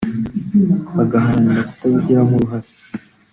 bagaharanira kutabigiramo uruhare